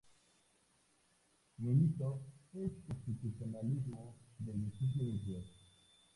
Militó en el constitucionalismo desde sus inicios.